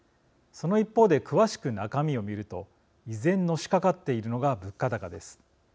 その一方で、詳しく中身を見ると依然、のしかかっているのが物価高です。